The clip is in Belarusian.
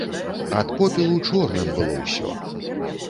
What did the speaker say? Ад попелу чорным было ўсё.